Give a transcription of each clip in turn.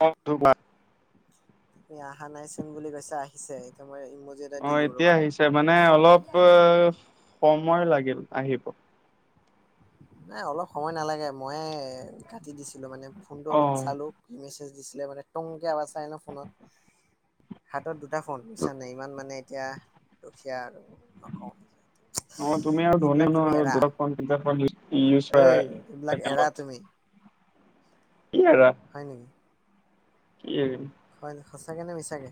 কত ডুবা তুমি আহা নাই চোন বুলি কৈছা আহিছে মই ইমজি এটা অ দি দিওঁ ৰ'বা। এতিয়া আহিছে মানে অলপ সময় লাগিল আহিব নাই অলপ সময় নালাগে ময়ে কাটি দিছিলো মানে ফোনটো অ অলপ চালো মেজ দিছিলে মানে টংকে আবাছ আহে ন ফোনত হাতত দুটা ফোন চানা ইমান মানে এতিয়া দুখীয়া আৰু। নকওঁ অ তুমি আৰু ধনি এইবিলাক তুমি এৰা ঐ এইবিলাক এৰা [unintelligible] তুমি [unintelligible] কি আৰা হয় নেকি? কি হয় সঁচাকে নে মিছাকে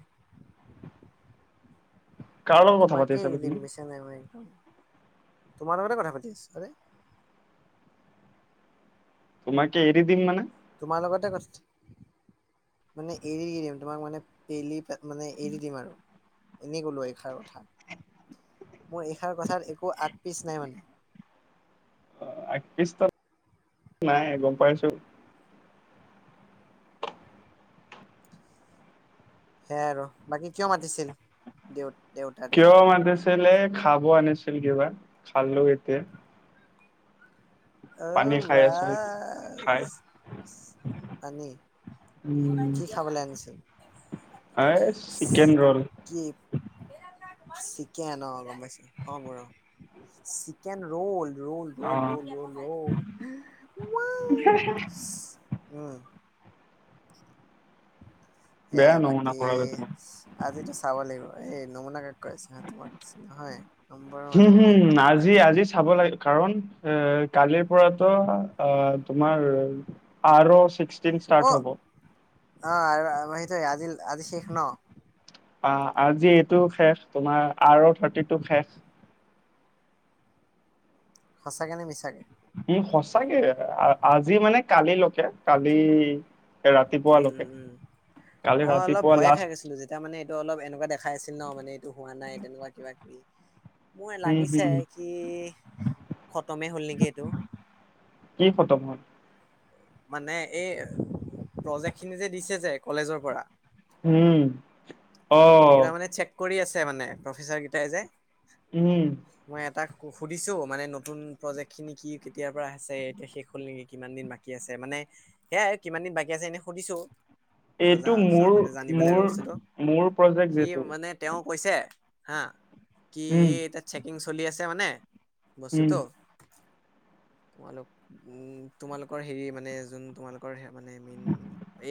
কাৰ লগত কথা তোমাকে পাতি আছা এৰি দিম তুমি বুইছা নাই মই তোমাৰ লগতে কথা পাতি আছো দেই তোমাকে এৰি দিম মানে তোমাৰ লগতে কথা মানে এৰি দি দিম তোমাক মানে পে মানে এৰি দিম আৰু এনেই ক'লো এই এষাৰ কথা। মোৰ এইষাৰ কথাৰ একো আগ পিচ নাই মানে। অ আকৃষ্ট নাই গম পাইছো। সেয়াই আৰু বাকী কিয় মাতিছিল দেউ দেউতাৰে কিয় মাতিছিলে খাব আনিছিল কিবা খালো এতিয়া। অ পানী খাই বা আছো খাই আনী উম কি খাবলৈ আনিছিল। এই চিকেন ৰোল। কি চিকেন অ গম পাইছো অ চিকেন ৰোল। ৰোল অ ৰোল ৰোল ৰোল ৰোল উম সে বেয়া নমুনা বাকী কৰা বে তুমি আজিতো চাব লাগিব এই নমুনা। কৈ আছা তোমাক নহয় নম্বৰ হম মানে মই হম আজি আজি চাব লাগে কাৰণ। এ কালিৰ পৰাটো অ তোমাৰ আৰ ছিক্স অ ষ্টাৰ্ট হ'ব। অ সেটো আজি শেখ ন অ আজি এইটো শেষ তোমাৰ আৰ থাৰ্টিটো শেষ। সঁচাকে নে মিছাকে উম সঁচাকে আজি মানে কালিলৈকে কালি উম ৰাতিপুৱালৈকে উম উম কালি মই অলপ ৰাতিপুৱা ভয়ে খাই লাষ্ট গৈছিলো যেতিয়া মানে এইটো অলপ এনেকুৱা দেখাই আছিল ন মানে এইটো হোৱা নাই তেনেকুৱা কিবা কিবি মোৰ উম লাগিছে হম কি খতমেই হ'ল নেকি এইটো। কি খতম হয়। মানে এই প্ৰজেক্ট খিনি যে দিছে যে কলেজৰ পৰা। উম অ এইকেইটা মানে চেক কৰি আছে মানে প্ৰফেচৰ কেইটাই যে, উম! মই এটাক সুধিছো মানে নতুন প্ৰজেক্ট খিনি কি কেতিয়াৰ পৰা আছে এতিয়া শেষ হ'ল নেকি কিমান দিন বাকী আছে মানে সেয়াই কিমান দিন বাকী আছে এনেই সুধিছোঁ। এইটো মোৰ মোৰ বস্তুটো মোৰ প্ৰজেক্ট সি যিটো মানে তেওঁ কৈছে হা কি উম এই এ চেকিং চলি আছে মানে উম বস্তুটো তোমালোক উম তোমালোকৰ হেৰি মানে যোন তোমালোকৰ মানে মেইন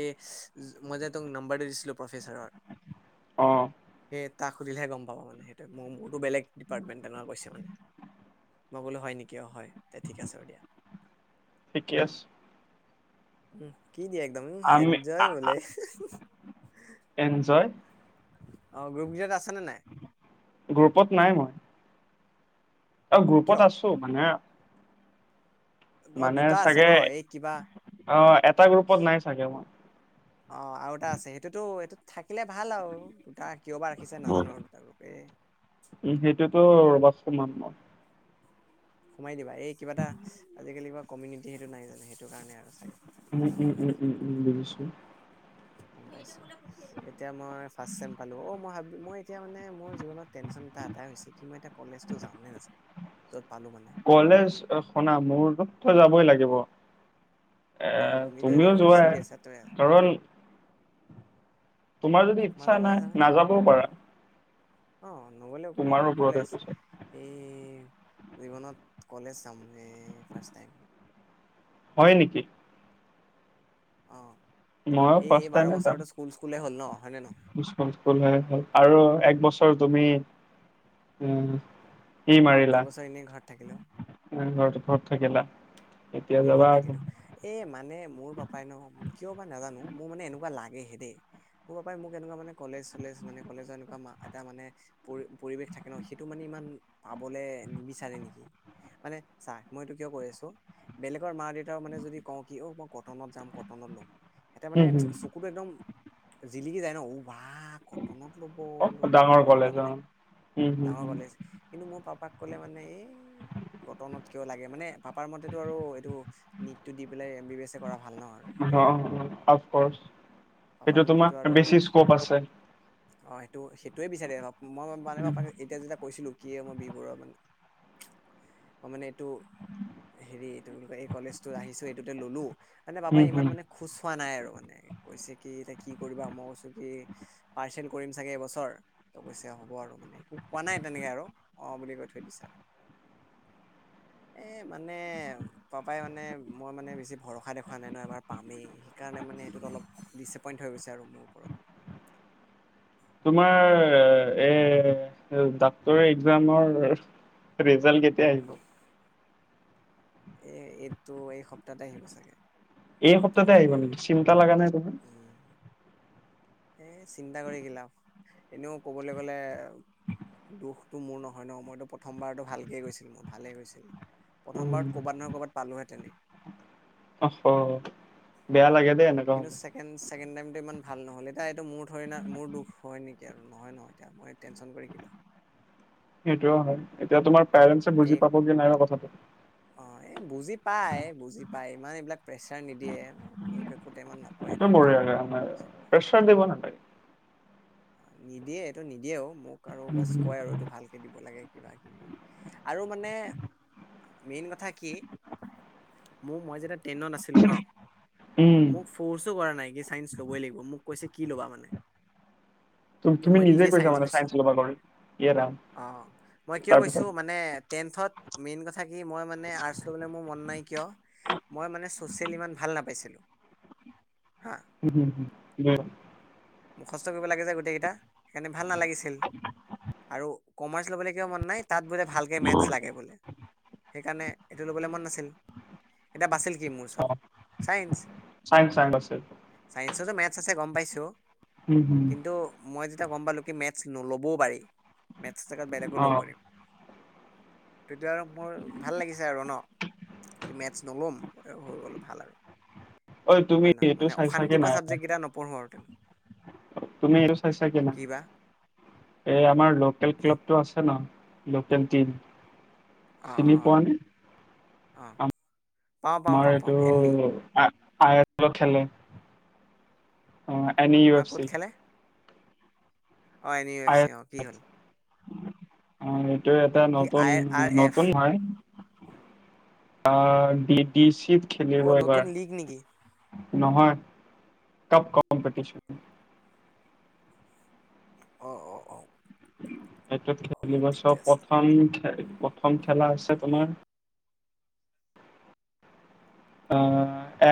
এই মই যে তোক নাম্বাৰটো দিছিলোঁ প্ৰফেচাৰৰ। অ সেই তাক সুধিলেহে গম পাবা মানে সেইটো মোৰ মোৰতো বেলেগ ডিপাৰ্টমেণ্ট তেনেকে কৈছে মানে। মই বোলো হয় নেকি অ হয় দে ঠিক আছে বোলো। ঠিকে আছে উম কি দিয়া একদম উ আমি এনজয় বোলে। এনজয় অ গ্ৰুপজত আছে। গ্ৰুপত নাই মই। অ গ্ৰুপত কিয় আছো মানে অ মানে দুটা আছে চাগে ন এই কিবা অ এটা গ্ৰুপত নাই চাগে মই অ আৰু এটা আছে সেইটোতো এইটো থাকিলে ভাল আৰু দুটা কিয় বা ৰাখিছে নাজানো উম সেইটোতো [inaudible] সোমাই দিবা এই কিবা এটা আজিকালি কিবা কমিউনিটি সেইটো নাই জানো সেইটো কাৰণে আৰু চাগে। উম উম উম উম উম বুজিছো অ এইটো মুলে পঠিয়াই দিবা এতিয়া মই ফাষ্ট ছেম পালো অ মই ভাবিলোঁ মই এতিয়া মানে মোৰ জীৱনত টেনছন এটা কি মই এটা কলেজটো যাম নে নাযাম' পালো মানে কলেজ শুনা মোৰটোত তই যাবই লাগিব এ অ তুমিতো এইটো তুমিও চিৰিয়াছ এইটোৱে, যোৱাই কাৰণ তোমাৰ যদি মাজে ইচ্ছা মাজে নাই নাযাবও পাৰা অঁ নগ'লে একো তোমাৰ নহয় ন ওপৰত কলেজ এইটো চব এই জীৱনত কলেজ যাম ৰে ফাৰ্ষ্ট টাইম হয় নেকি অ এই এই বাৰ বছৰতে স্কুল স্কুলে হ'ল ন হয়নে নহয় স্কুল স্কুল এ হল আৰু এক বছৰ চ তুমি উ সি এক মাৰিলা বছৰ এনেই ঘৰত থাকিলো ঘৰত ঘৰত থাকিলা এতিয়া এনেই যাবা ঘৰত আকৌ থাকিলো এ মানে মোৰ পাপাই ন কিয় বা নাজানো মোৰ মানে এনেকুৱা লাগেহে দেই মোৰ পাপাই মোক এনেকুৱা মানে কলেজ চলেজ মানে কলেজৰ এনেকুৱা এটা মানে পৰি পৰিৱেশ থাকে ন সেইটো মানে ইমান পাবলে নিবিচাৰে নেকি মানে চাৰ মইটো কিয় কৈ আছো বেলেগৰ মা দেউতাও মানে যদি কওঁ কি অ মই কটনত যাম কটনত ল'ম সিহতে মানে হম হম চকুতো একদম জিলিকি যায় ন উ বা কটনত ল'ব ল'ৰা ডাঙৰ এনেকুৱা কলেজ অ মানে উম হম ডাঙৰ কলেজ কিন্তু মোৰ পাপাক কলে মানে এই কটনত কিয় লাগে মানে পাপাৰ মতেটো আৰু এইটো নীটটো দি পেলাই এম বি বি এছে এ কৰা ভাল ন আৰু অ সেইটোৱে অফকছ পাপাৰ সেইটো মতেতো তোমাৰ আৰু বেছি স্কপ আছে অ সেইটো সেইটোৱে বিচাৰে মই মানে পাপাক এতিয়া যেতিয়া কৈছিলো কি মই বি বৰুৱা মানে মই মানে এইটো তোমোক এই কলেজ তো আহিছো এইটোতে ললো মানে পাপাই হম ইমান হম মানে খোজ খোৱা নাই আৰু মানে কৈছে কি এতিয়া কি কৰিবা মই কৈছো কি পাৰ্চেল কৰিম চাগে এইবছৰ ত কৈছে হ'ব আৰু মানে একো কোৱা নাই তেনেকে আৰু অ বুলি কৈ থৈ দিছে আৰু এ মানে পাপাই মানে মই মানে বেছি ভৰসা দেখুৱা নাই ন এবাৰ পামেই সেইকাৰণে মানে সেইটোত অলপ দিছিপইন্ত হৈ গৈছে আৰু মোৰ ওপৰত তোমাৰ এ ডাক্তৰ এক্জামৰ ৰিজাল্ট কেতিয়া আহিব এ এইটো এই সপ্তাহতে আহিব চাগে এই এইটো সপ্তাহতে আহিব এই নেকি চিন্তা লগা নাই তোমাৰ উম এ চিন্তা কৰি কি লাভ এনেও কবলৈ গলে দুখটো মোৰ নহয় ন মইতো প্ৰথমবাৰতো ভালকে গৈছিল মোৰ ভালে গৈছিল প্ৰথমবাৰত কৰ'বাত নহয় কৰবাত পালোহেতেনে অহ বেয়া লাগে দেই এনেকুৱা কিন্তু হলে ছেকেণ্ড ছেকেণ্ড টাইমটো ইমান ভাল নহ'ল এতিয়া এইটো মোৰ ধৰি না মোৰ দুখ হয় নেকি আৰু নহয় নহয় এতিয়া মই টেন্চন কৰি কি লাভ সেইটোও হয় এতিয়া তোমাৰ পেৰেণ্ট এই বুজি পাব কি নাই ন কথাটো অ এই বুজি পাই বুজি পায় ইমান এইবিলাক প্ৰেছাৰ নিদিয়ে মোক একোতে ইমান নকয় এইটো কথা বুজি পায় প্ৰেছাৰ দিব ন নিদিয়ে এইটো নিদিয়েও মোক আৰু বছ কয় আৰু এইটো ভালকে দিব লাগে কিবা কিবি আৰু মানে মেইন কথা কি ম মই যেতিয়া টেনত আছিলো ন উম মোক ফৰ্চ কৰা নাই চাইন্ ল'বই লাগিব মোক [unintelligible] কৈছে কি ল'বা মানে ত তুমি মই নিজে কৈছা মানে কৈছো চাইন্স ল'ব কাৰণে এই ৰাম তাৰপিছত [unintelligible] টেনত মেইন কথা [unintelligible] কি মই মানে আৰ্টচ লবলৈ মোৰ মন নাই কিয় মই মানে চচিয়েল ইমান ভাল নাপাইছিলো [unintelligible] হা হম হম ব মুখস্থ কৰিব লাগে যে গোটেইকেইটা সেইকাৰণে ভাল নালাগিছিল আৰু কমাৰ্চ লবলে কিয় মন নাই তাত বোলে ভালকে মেথছ লাগে বোলে সেইকাৰণে এইটো ল'বলৈ মন নাছিল এতিয়া বাচ কি মোৰ ওচৰত চাইন্স চাইন্স চাইন্স আছে। চাইন্সতো মেথছ আছে গম পাইছো উম হুম। কিন্তু মই যেতিয়া গম পালো কি মেথছ নল'বও পাৰি মেথছ জেগাত বেলেগো অ ল'ব পাৰিম তেতিয়া আৰু মোৰ ভাল লাগিছে আৰু ন মেথছ নল'ম হৈ গ'লে ভাল আৰু ঐ তুমি হয়ে নহয় এইটো মানে চাইছা কি অশান্তিৰ পৰা নাই ছাবজেক্ট কেইটা নপঢ়ো আৰু তুমি এইটো চাইছা কি না এই আমাৰ লোকেল কি ক্লাব টো আছে লোকেল টিম অঁ অঁ চিনি অঁ পোৱা নে অঁ [unintelligible] পাওঁ পাওঁ আমাৰ পাওঁ পাওঁ এইটো এন বি আই এছ এলত খেলে অ এনি ই হা এফ ক'ত চি [unintelligible] খেলে অঁ এন ইউ এফ চি অঁ কি হ'ল অ এইটো এটা কি নতুন আই আৰ এফ নতুন হয়। অ ডি ডি চি অ নতুন লীং নেকি নহয় ক কমিটি [unintelligible] অ অ অ সটোত অ খেলিব চ ঠিকে আছে প্ৰথম প্ৰথম খেলা আছে তোমাৰ অ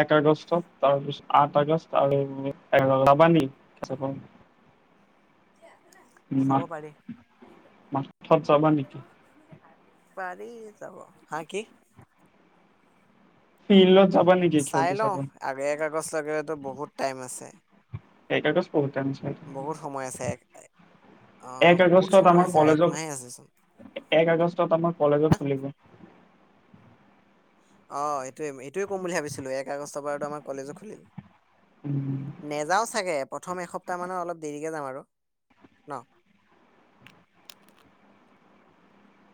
এক আগষ্ট তাৰপিছত আঠ আগষ্ট আৰু ৰাবানি [unintelligible] মা চাব পাৰি মাচত যাবা নেকি পাৰী যাব হা কি ফিল্ডত যাবা নেকি চাই খেলটো চাব লও আগে কাগজ লাগিলেতো বহুত টাইম আছে এক আগষ্ট বহুত টাইম আছে বহুত সময় আছে অ এক বহুত আগষ্টত সময় আমাৰ আছে কলেজত একমাহে আছেচোন এক আগষ্টত আমাৰ কলেজো খুলিব অ সেইটোৱে এইটোৱে ক'ম বুলি ভাবিছিলো এক আগষ্টৰ বাৰ আমাৰ কলেজো খুলিল উম নেযাও চাগে প্ৰথম এসপ্তাহ মানৰ অলপ দেৰিকে যাম আৰু ন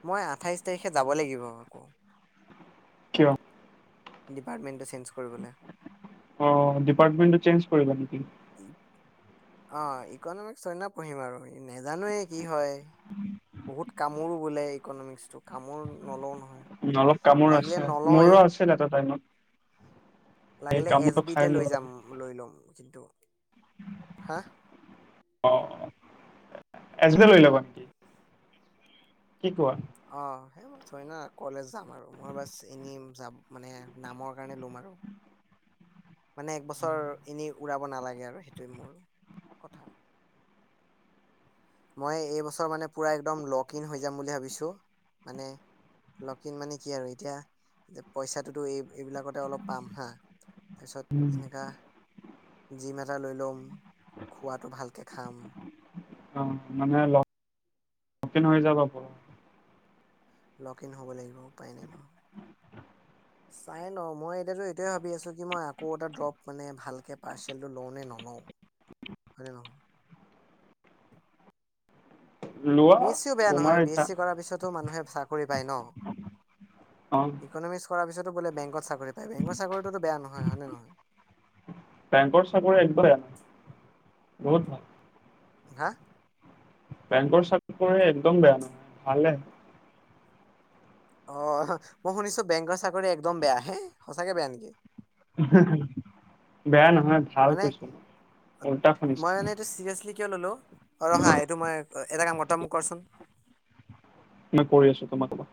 মই আঠাইছ তাৰিখে যাব লাগিব আকৌ [inaudible] ডিপাৰ্টমেণ্টটো চেঞ্জ কৰিবলৈ অ ডিপাৰ্টমেণ্টটো চেঞ্জ কৰিবা নেকি অ ইকনমিকইনা থৰে না পঢ়িম আৰু নেজানোৱে কি হয় বহুত কামোৰো বোলে ইকনমিকস টো কামোৰ নলও নহয় উ অলপ কামোৰ লাগিলে আছে নলওৱে মোৰো আছিল এটা টাইমত সেই লাগিলে এছ কামোৰটো খাই বিতে লৈ মোৰ যাম লৈ ল'ম কিন্তু। [inaudible] হা অ এজে লৈ লবা। কি কোৱা। অ থৈ না কলেজ যাম আৰু মই বা এনে যাম মানে নামৰ কাৰণে লম আৰু [inaudible] মানে এক বছৰ এনেই উৰাব নালাগে আৰু সেইটোৱে মোৰ কথা। মই এইবছৰ মানে পূৰা একদম লগক ইন হৈ যাম বুলি ভাবিছোঁ মানে লকিন মানে কি আৰু এতিয়া পইচাটোতো এই এইবিলাকতে অলপ পাম হা উম, তাৰপিছত এনেকুৱা জিম এটা লৈ ল'ম খোৱাটো ভালকে খাম অ মানে হৈ যাব লগ ইন হ'ব লাগিব উপায় নাই নহলে চাই ন মই এতিয়াতো এইটোৱে ভাবি আছোঁ কি মই আকৌ এটা ড্ৰপ মানে ভালকে পাৰ্চেলটো লওঁ নে নলওঁ উ লোৱা বি এছ চিও বেয়া তোমাৰ নহয় বি এছ ইচ্ছা চি কৰাৰ পিছতো মানুহে কৰিবাই ন অ ইকনমিক্স কৰা পিছতো বেংকত চাকৰি বেংগ চাকৰিটো বেয়া নহয় হয়নে নহয়। হুম হা বেংকৰ চাকৰি একদম বেয়া নহয় ভালে। অ মই শুনিছো বেংকৰ চাকৰি একদম বেয়া হে সঁচাকে বেয়া নেকি। বেয়া নহয় ভাল মানে কৈছো মই উল্টা শুনিছো মই মানে এইটো চিৰিয়াচলি কিয় ললো অ ৰহা এইটো মই এটা কাম কৰ তই মোক কৰচোন। মই কৰি আছো তোমাক।